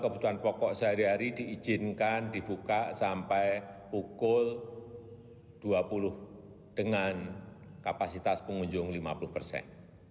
kebutuhan pokok sehari hari diizinkan dibuka sampai pukul dua puluh dengan kapasitas pengunjung lima puluh persen